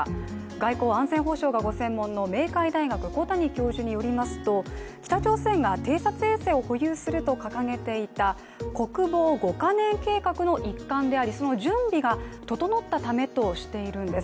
外交・安全保障がご専門の明海大学小谷教授によりますと、北朝鮮が偵察衛星を保有すると掲げていた国防５か年計画の一環でありその準備が整ったためとしているんです。